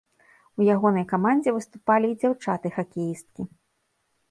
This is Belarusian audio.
У ягонай камандзе выступалі і дзяўчаты-хакеісткі.